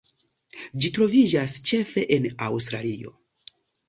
Ĝi troviĝas ĉefe en Aŭstralio.